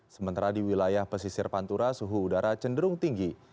sementara di wilayah pesisir pantura suhu udara cenderung tinggi